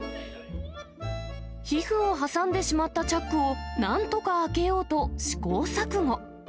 皮膚を挟んでしまったチャックをなんとか開けようと試行錯誤。